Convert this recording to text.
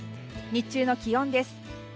日中の気温です。